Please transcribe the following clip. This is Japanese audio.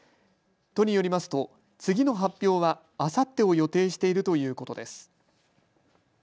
都によりますと次の発表は、あさってを予定しているということです。